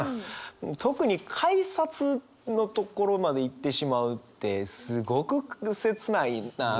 特に改札のところまで行ってしまうってすごく切ないなと思ってしまいますね。